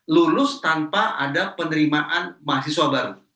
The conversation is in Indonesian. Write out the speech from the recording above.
lulus tanpa ada penerimaan mahasiswa baru